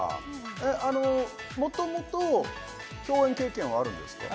あのもともと共演経験はあるんですか？